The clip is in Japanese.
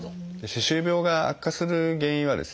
歯周病が悪化する原因はですね